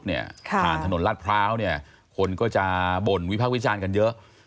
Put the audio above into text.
ผ่านถนนรัดพร้าวคนก็จะบ่นวิพักวิจารณ์กันเยอะ